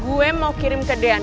gue mau kirim ke dean